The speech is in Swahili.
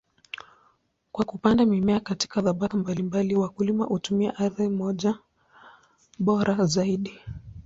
Kwa kupanda mimea katika tabaka mbalimbali, wakulima hutumia ardhi na maji bora zaidi.